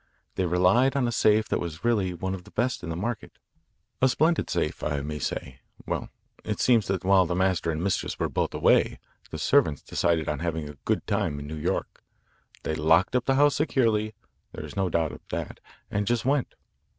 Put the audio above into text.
They relied on a safe that was really one of the best in the market a splendid safe, I may say. Well, it seems that while the master and mistress were both away the servants decided on having a good time in New York. They locked up the house securely there's no doubt of that and just went.